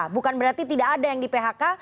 bukan berarti tidak ada yang di phk